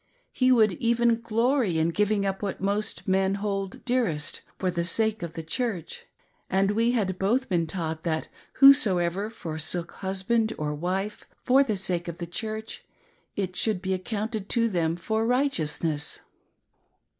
He would even glory in giving up what men hold dearest, for the sake ot the Church, and we had both been taught that whoso ever forsook husband or wife for the sake of the Church, it should be accounted to them for righteousness.